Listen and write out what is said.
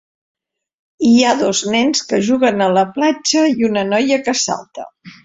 Hi ha dos nens que juguen a la platja i una noia que salta.